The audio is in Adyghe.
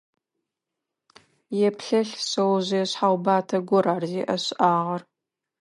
Еплъэлъ, шъэожъые шъхьэубатэ гор ар зиӏэшӏагъэр.